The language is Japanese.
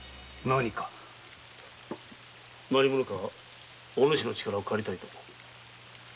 何者かがお主の力を借りたいと。